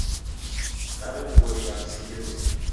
Nawemghoria msighe lumenyo.